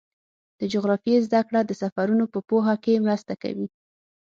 د جغرافیې زدهکړه د سفرونو په پوهه کې مرسته کوي.